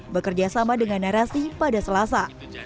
bekerjasama dengan narasi pada selasa